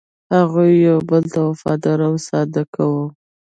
هغوی یو بل ته وفادار او صادق وو.